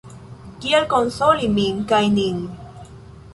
Kiel konsoli min kaj nin?